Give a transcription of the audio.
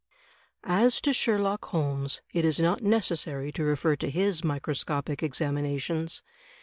As to Sherlock Holmes, it is not necessary to refer to his microscopic examinations.